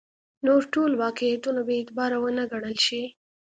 نور ټول واقعیتونه بې اعتباره ونه ګڼل شي.